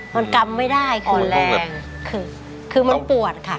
มันกำไม่ได้อ่อนแรงคือคือมันปวดค่ะ